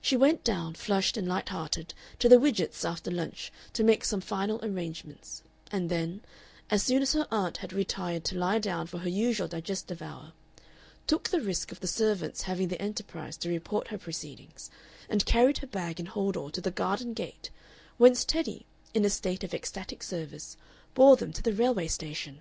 She went down, flushed and light hearted, to the Widgetts' after lunch to make some final arrangements and then, as soon as her aunt had retired to lie down for her usual digestive hour, took the risk of the servants having the enterprise to report her proceedings and carried her bag and hold all to the garden gate, whence Teddy, in a state of ecstatic service, bore them to the railway station.